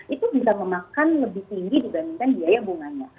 itu bisa memakan lebih tinggi dibandingkan biaya bunganya